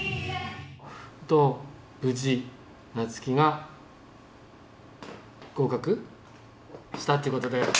無事なつきが合格したっていうことで。